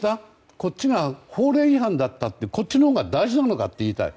こっちが法令違反だったってこっちのほうが大事なのかって言いたい。